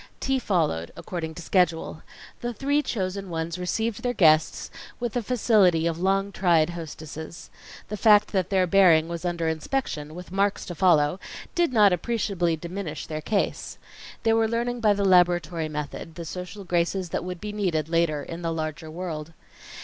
Tea followed according to schedule. The three chosen ones received their guests with the facility of long tried hostesses. The fact that their bearing was under inspection, with marks to follow, did not appreciably diminish their case. They were learning by the laboratory method, the social graces that would be needed later in the larger world.